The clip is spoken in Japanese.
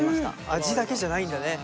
味だけじゃないんだね